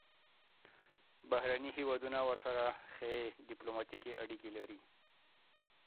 بهرني هیوادونه ورسره ښې ډیپلوماتیکې اړیکې لري.